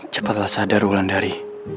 cepatlah sadar ulan dari